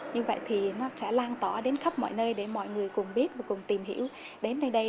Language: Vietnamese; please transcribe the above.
như vậy thì nó sẽ lan tỏa đến khắp mọi nơi để mọi người cùng biết và cùng tìm hiểu đến nơi đây